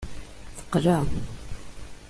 Teqleɛ.